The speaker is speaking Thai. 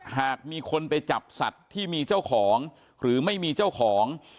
หากมีคนไปจับสัตว์ที่มีเจ้าของหรือไม่มีเจ้าของ